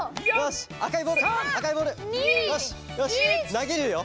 なげるよ。